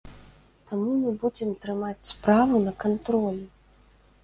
Таму мы будзе трымаць справу на кантролі.